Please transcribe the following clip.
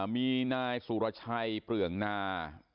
มีนายสุรชัยเปลืองนา